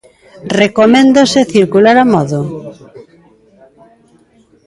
Recoméndase circular a modo.